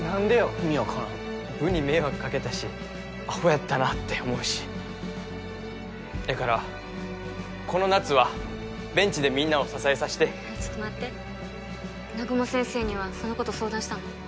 意味分からん部に迷惑かけたしアホやったなって思うしやからこの夏はベンチでみんなを支えさしてちょっと待って南雲先生にはそのこと相談したの？